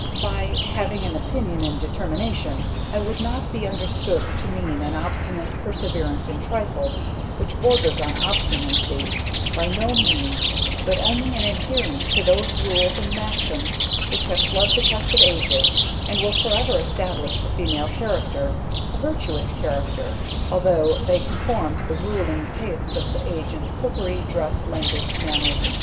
By having an opinion and determination, I would not be understood to mean an obstinate perseverance in trifles, which borders on obstinacy by no means, but only an adherence to those rules and maxims which have flood the test of ages, and will forever establish the female character, a virtuous character altho' they conform to the ruling taste of the age in cookery, dress, language, manners, &c.